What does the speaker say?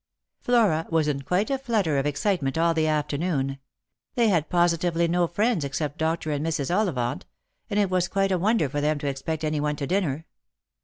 Flora was in quite a flutter of excitement all the afternoon. They had positively no friends except Dr. and Mrs. Ollivant. It was quite a wonder for them to expect any one to dinner.